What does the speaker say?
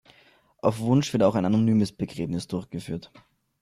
Auf Wunsch wird auch ein anonymes Begräbnis durchgeführt.